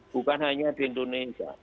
bukan hanya di indonesia